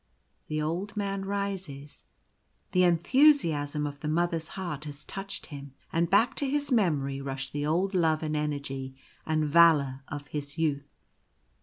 The Old Man rises ; the enthusiasm of the Mother's heart has touched him, and back to his memory rush the old love and energy and valour of his youth.